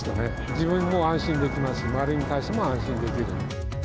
自分も安心できますし、周りに対しても安心できる。